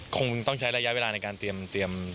คงต้องใช้ระยะเวลาในการเตรียม